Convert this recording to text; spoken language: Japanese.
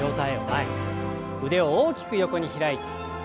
腕を大きく横に開いて。